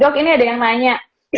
dok ini ada yang nanya